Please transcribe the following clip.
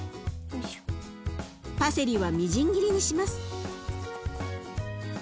パセリはみじん切りにします。